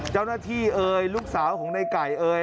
เจ้าหน้าที่เอ๋ยลูกสาวของในไก่เอ๋ย